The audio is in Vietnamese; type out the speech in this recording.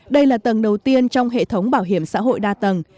đây là tầng đầu tiên trong hệ thống bảo hiểm xã hội đa tầng